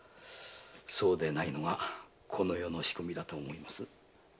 そうでないのがこの世の仕組みだと思いますよ。